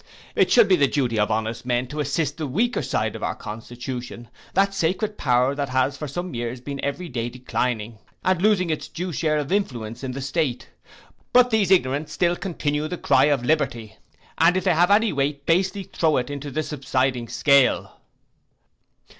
It should be the duty of honest men to assist the weaker side of our constitution, that sacred power that has for some years been every day declining, and losing its due share of influence in the state. But these ignorants still continue the cry of liberty, and if they have any weight basely throw it into the subsiding scale.